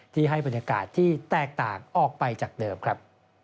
ที่ให้บรรยากาศที่แตกต่างออกไปจากเดิมครับ